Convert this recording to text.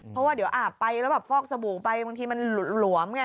เพราะว่าเดี๋ยวอาบไปแล้วแบบฟอกสบู่ไปบางทีมันหลวมไง